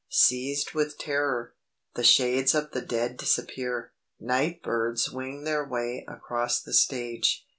Seized with terror, the shades of the dead disappear. Night birds wing their way across the stage.